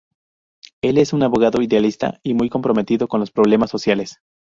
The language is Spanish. Él es un abogado idealista y muy comprometido con los problemas sociales.